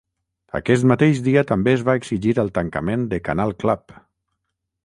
Aquest mateix dia també es va exigir el tancament de Canal Club.